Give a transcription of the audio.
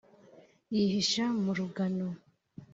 yihisha mu rugano.